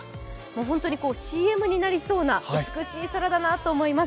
本当にＣＭになりそうな美しい空だなと思います。